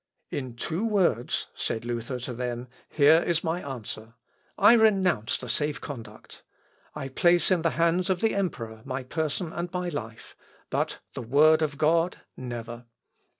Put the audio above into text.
"In two words," said Luther to them, "here is my answer: I renounce the safe conduct. I place in the hands of the emperor my person and my life; but the Word of God ... never!"